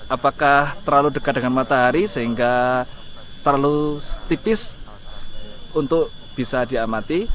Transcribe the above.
apakah terlalu dekat dengan matahari sehingga terlalu tipis untuk bisa diamati